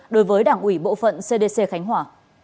đối với đảng ủy bộ phận cdc khánh hòa